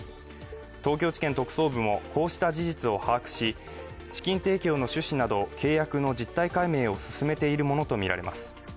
東京地検特捜部もこうした事実を把握し、資金提供の趣旨など契約の実態解明を進めているものとみられます。